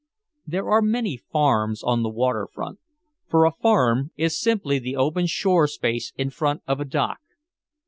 There are many "farms" on the waterfront, for a "farm" is simply the open shore space in front of a dock.